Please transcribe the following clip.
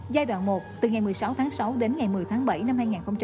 giai đoạn một từ ngày một mươi sáu tháng sáu đến ngày một mươi tháng bảy năm hai nghìn hai mươi